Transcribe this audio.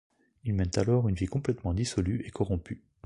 Il mène alors une vie complètement dissolue et corrompue.